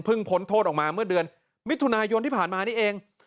พ้นโทษออกมาเมื่อเดือนมิถุนายนที่ผ่านมานี่เอง